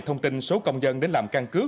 thông tin số công dân đến làm căn cứ